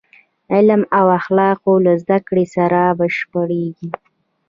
علم د اخلاقو له زدهکړې سره بشپړېږي.